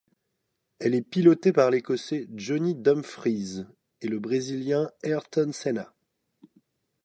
Elle est pilotée par l'écossais Johnny Dumfries et le brésilien Ayrton Senna.